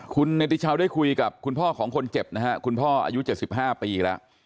คุณนะตรีเช้าได้คุยกับคุณพ่อขอคนเจ็บคุณพ่ออายุ๗๕ปีแล้ว